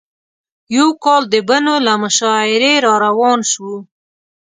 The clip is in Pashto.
یو کال د بنو له مشاعرې راروان شوو.